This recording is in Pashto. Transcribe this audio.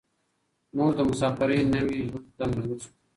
موږ د مساپرۍ نوي ژوند ته ننوځو.